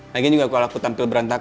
lagi juga kalau aku tampil berantakan